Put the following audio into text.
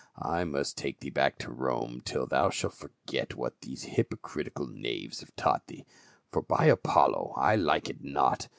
" I must take thee back to Rome till thou shalt forget what these hypocritical knaves have taught thee, for, by Apollo, I like it not.